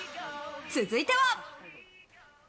続いては。